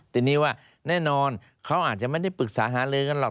ทีนี้ว่าแน่นอนเขาอาจจะไม่ได้ปรึกษาหาลือกันหรอก